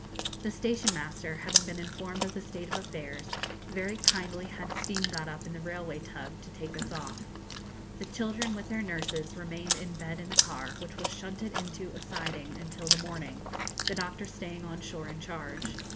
The station master, having been informed of the state of affairs, very kindly had steam got up in the railway tug to take us off. The children, with their nurses, remained in bed in the car, which was shunted into a siding until the morning, the doctor staying on shore in charge.